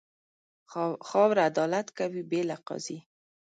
خاوره عدالت کوي، بې له قاضي.